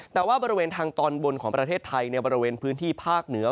แต่ว่าบริเวณทางตอนบนของประเทศไทยในบริเวณพื้นที่ภาคเหนือ